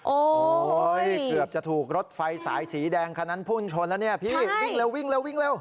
โอ้โหเกือบจะถูกรถไฟสายสีแดงคันนั้นพุ่งชนแล้วเนี่ยพี่วิ่งเร็ววิ่งเร็ววิ่งเร็ว